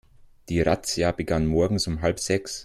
Die Razzia begann morgens um halb sechs.